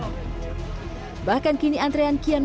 bahkan kini antrean kian berjalan dan di sini juga terjadi